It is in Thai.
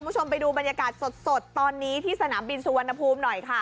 คุณผู้ชมไปดูบรรยากาศสดตอนนี้ที่สนามบินสุวรรณภูมิหน่อยค่ะ